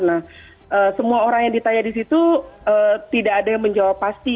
nah semua orang yang ditanya di situ tidak ada yang menjawab pasti